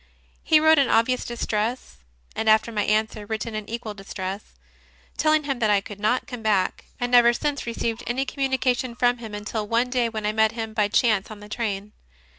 He wrote in obvious distress, and after my answer, written in equal distress, telling him that I could not come back, I never since received any communi cation from him until one day when I met him by chance in the train.